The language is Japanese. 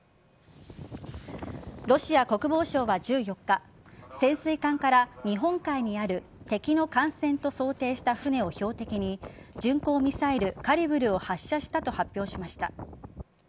ロシア国防省は１４日潜水艦から日本海にある敵の艦船と想定した船を標的に巡航ミサイルカリブルを発射したと発表しました。